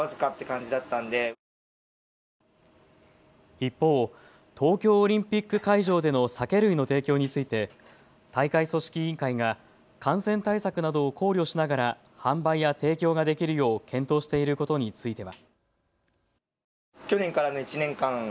一方、東京オリンピック会場での酒類の提供について大会組織委員会が感染対策などを考慮しながら販売や提供ができるよう検討していることについては。